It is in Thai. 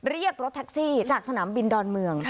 เรียกรถแท็กซี่จากสนามบินดอนเมือง